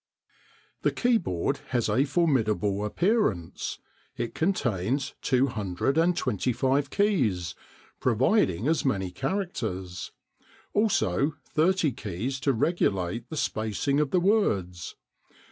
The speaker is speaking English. The keyboard has a formidable appearance. It contains 225 keys, providing as many characters; also thirty keys to regulate the spacing of the words.